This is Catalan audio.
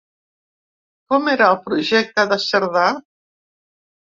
Com era el projecte de Cerdà?